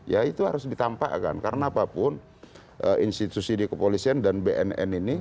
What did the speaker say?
ya itu harus ditampakkan karena apapun institusi di kepolisian dan bnn ini